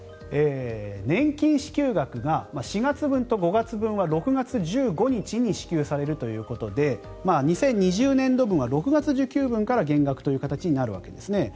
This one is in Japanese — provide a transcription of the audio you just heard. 年金支給額が４月分と５月分は６月１５日に支給されるということで２０２０年度分は６月受給分から減額という形になるわけですね。